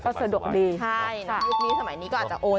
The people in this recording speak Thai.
ก็สะดวกดีใช่ในยุคนี้สมัยนี้ก็อาจจะโอน